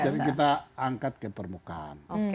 jadi kita angkat ke permukaan